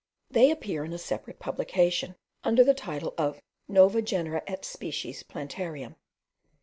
They appear in a separate publication, under the title of Nova Genera et Species Plantariem.